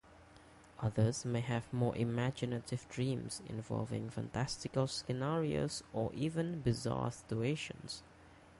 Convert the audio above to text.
Others may have more imaginative dreams, involving fantastical scenarios or even bizarre situations.